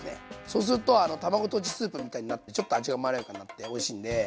そうすると卵とじスープみたいになってちょっと味がまろやかになっておいしいんで。